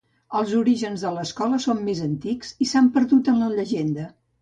Els orígens de l'escola són més antics i s'han perdut en la llegenda.